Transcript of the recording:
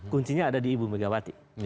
kuncinya ada di ibu megawati